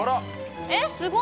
えっすごい。